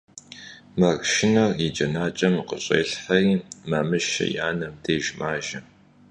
Маршынэр и джанэкӀэм кӀэщӀелъхьэри Мамышэ и анэм деж мажэ.